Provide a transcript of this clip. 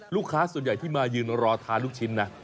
ลูกค้าส่วนใหญ่ที่มายืนรอทานลูกชิ้นนะ